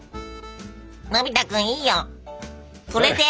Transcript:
のび太くんいいよそれで！